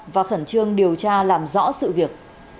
và phẩn trương điều tra làm rõ sự việc